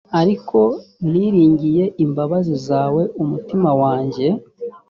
ariko niringiye imbabazi zawe umutima wanjye